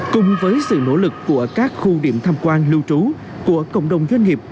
cùng với sự nỗ lực của các khu điểm tham quan lưu trú của cộng đồng doanh nghiệp